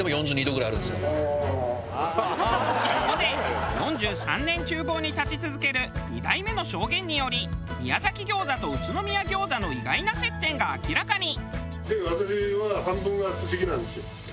ここで４３年厨房に立ち続ける２代目の証言により宮崎餃子と宇都宮餃子の意外な接点が明らかに。